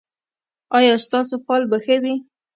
ایا ستاسو فال به ښه وي؟